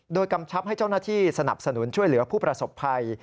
โดยกำชับให้เจ้าหน้าที่สนับสนุนช่วยเหลือผู้ประสบภัย